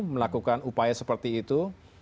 melakukan upaya seperti itu